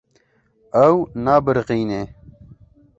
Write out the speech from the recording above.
Ew nabiriqîne.